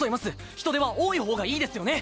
人手は多い方がいいですよね？